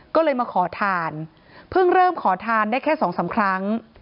ก็เลยมาขอทานเพิ่งเริ่มขอทานได้แค่๒๓ครั้ง